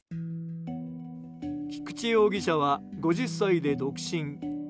菊池容疑者は５０歳で独身。